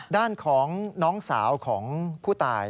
ด้านของน้องสาวของผู้ตาย